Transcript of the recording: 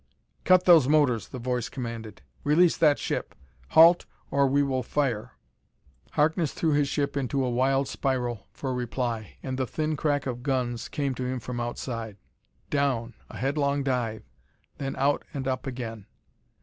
"Cut those motors!" the voice commanded. "Release that ship! Halt, or we will fire!" Harkness threw his ship into a wild spiral for reply, and the thin crack of guns came to him from outside. Down! A headlong dive! Then out and up again!